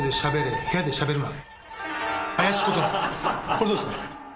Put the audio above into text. これどうっすか。